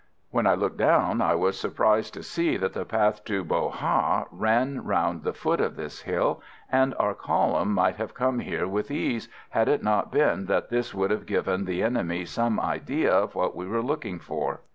When I looked down I was surprised to see that the path to Bo Ha ran round the foot of this hill, and our column might have come here with ease, had it not been that this would have given the enemy some idea of what we were looking for.